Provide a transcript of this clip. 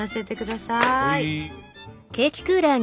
はい。